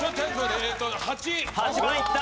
８番いった。